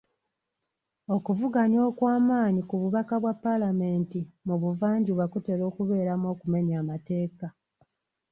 Okuvuganya okw'amaanyi ku bubaka bwa paalamenti mu buvanjuba kutera okubeeramu okumenya amateeka.